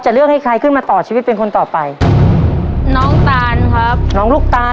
เลือกให้ใครขึ้นมาต่อชีวิตเป็นคนต่อไปน้องตานครับน้องลูกตาน